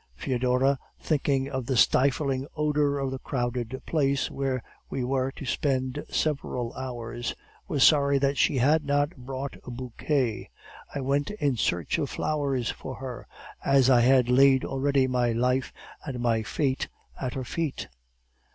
Foedora, thinking of the stifling odor of the crowded place where we were to spend several hours, was sorry that she had not brought a bouquet; I went in search of flowers for her, as I had laid already my life and my fate at her feet.